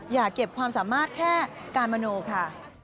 อย่าเก็บความสามารถแค่การมโนค่ะ